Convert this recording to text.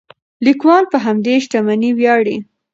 لیکوال په همدې شتمنۍ ویاړي.